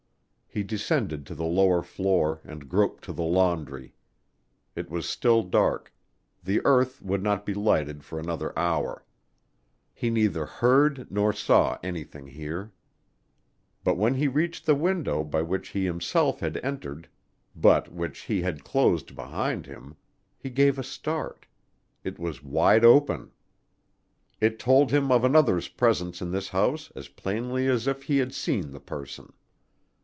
He descended to the lower floor and groped to the laundry. It was still dark; the earth would not be lighted for another hour. He neither heard nor saw anything here. But when he reached the window by which he himself had entered but which he had closed behind him, he gave a start it was wide open. It told him of another's presence in this house as plainly as if he had seen the person.